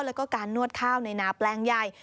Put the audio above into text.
แล้วก็การนวดข้าวในนาแปลงใหญ่